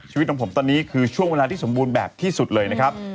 ชีวิตของผมตอนนี้คือช่วงเวลาที่สมบูรณ์แบบที่สุดเลยนะครับ